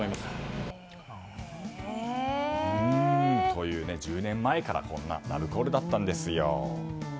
という、１０年前からこんなラブコールだったんです。